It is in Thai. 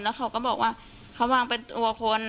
แล้วเขาก็บอกว่าเขาวางเป็นตัวคน